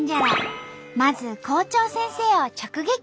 まず校長先生を直撃。